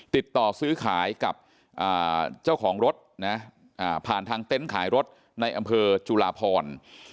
ติดต่อซื้อขายกับเจ้าของรถนะผ่านทางเต็นต์ขายรถในอำเภอจุลาพร